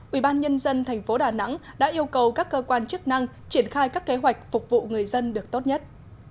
ubnd tp đà nẵng đã yêu cầu các cơ quan chức năng triển khai các kế hoạch phục vụ người dân được tốt nhất